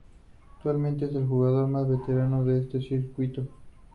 Actualmente es el jugador más veterano de este circuito.